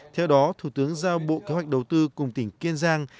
theo đó thủ tướng giao bộ kế hoạch đầu tư cùng tỉnh kiên giang